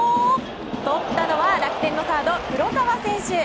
とったのは楽天のサード、黒川選手。